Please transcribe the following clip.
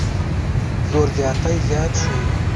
زور زیاتی زیات شو.